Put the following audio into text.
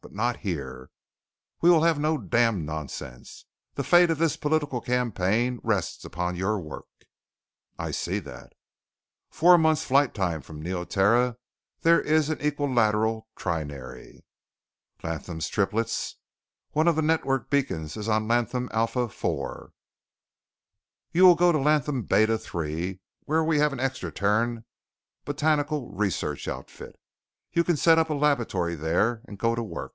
But not here. We will have no damned nonsense. The fate of this political campaign rests upon your work." "I see that." "Four months flight time from Neoterra there is an equilateral trinary " "Latham's Triplets. One of the network beacons is on Latham Alpha IV." "You will go to Latham Beta III where we have an extra terran botanical research outfit. You can set up a laboratory there and go to work."